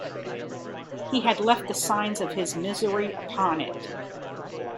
He had left the signs of his misery upon it.